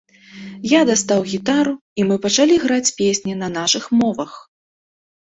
Я дастаў гітару, і мы пачалі граць песні на нашых мовах.